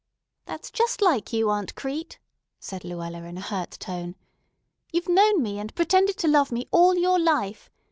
"That's just like you, Aunt Crete," said Luella in a hurt tone. "You've known me and pretended to love me all your life.